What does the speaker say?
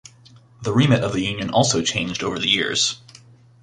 The remit of the union also changed over the years.